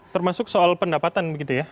termasuk soal pendapatan begitu ya